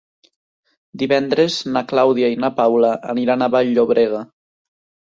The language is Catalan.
Divendres na Clàudia i na Paula aniran a Vall-llobrega.